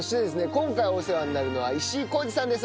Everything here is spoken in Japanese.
今回お世話になるのは石井宏兒さんです。